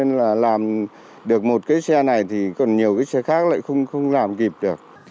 nên là làm được một cái xe này thì còn nhiều cái xe khác lại không làm kịp được